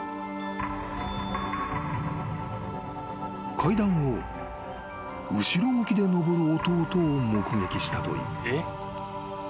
［階段を後ろ向きで上る弟を目撃したという］